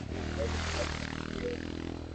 কনুই সামনে আগিয়ে।